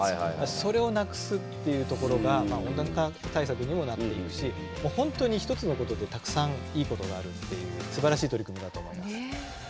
それをなくすっていうところが温暖化対策にもなっているしほんとに１つのことでたくさんいいことがあるっていうすばらしい取り組みだと思います。